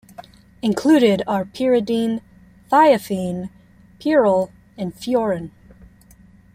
Included are pyridine, thiophene, pyrrole, and furan.